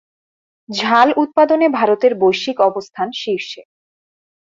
ঝাল উৎপাদনে ভারতের বৈশ্বিক অবস্থান শীর্ষে।